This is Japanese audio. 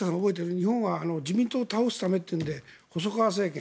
日本は自民党を倒すためというので、細川政権